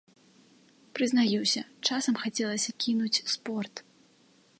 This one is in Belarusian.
Прызнаюся, часам хацелася кінуць спорт.